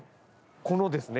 このですね。